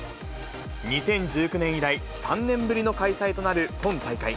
２０１９年以来、３年ぶりの開催となる今大会。